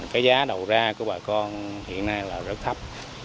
cái giá đầu ra của bà con hiện nay là rất thấp